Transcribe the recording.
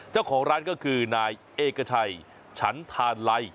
เจ้าของร้านก็คือนายเอกชัยฉันธาลัย